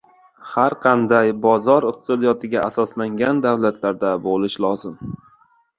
har qanday bozor iqtisodiyotiga asoslangan davlatlarda bo‘lishi lozim.